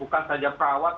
bukan saja perawat